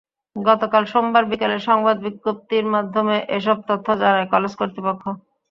গতকাল সোমবার বিকেলে সংবাদ বিজ্ঞপ্তির মাধ্যমে এসব তথ্য জানায় কলেজ কর্তৃপক্ষ।